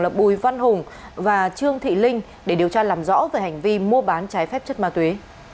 là bùi văn hùng và trương thị linh để điều tra làm rõ về hành vi mua bán trái phép chất ma túy